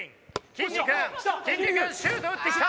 きんに君シュート打ってきた！